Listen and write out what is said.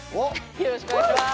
よろしくお願いします